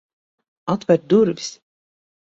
Atver durvis!